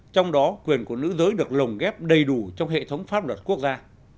trong đó quyền của nữ giới được lồng ghép đầy đủ trong hệ thống pháp luật quốc gia